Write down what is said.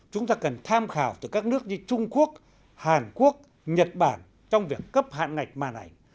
chúng ta cần tham khảo từ các nước như trung quốc hàn quốc nhật bản trong việc cấp hạn ngạch màn ảnh